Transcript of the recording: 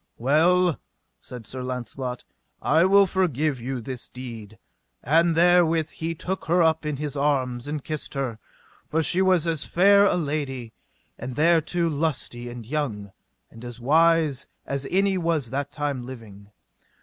Well, said Sir Launcelot, I will forgive you this deed; and therewith he took her up in his arms, and kissed her, for she was as fair a lady, and thereto lusty and young, and as wise, as any was that time living.